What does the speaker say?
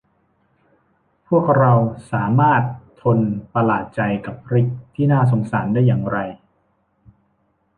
พวกเราสามารถทนประหลาดใจกับริกซ์ที่น่าสงสารได้อย่างไร